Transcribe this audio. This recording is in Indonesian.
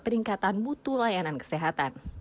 peringkatan mutu layanan kesehatan